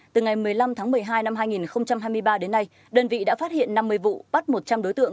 từ ngày một mươi năm tháng một mươi hai năm hai nghìn hai mươi ba đến nay đơn vị đã phát hiện năm mươi vụ bắt một trăm linh đối tượng